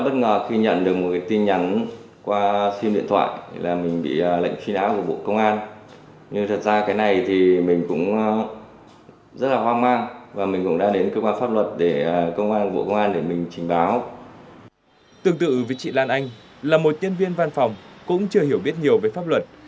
tương tự với chị lan anh là một nhân viên văn phòng cũng chưa hiểu biết nhiều về pháp luật